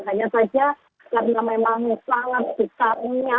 hanya saja karena memang salah dikarenanya